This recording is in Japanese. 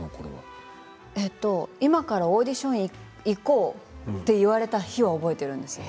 今からオーディションに行こうと言われた日は覚えているんです。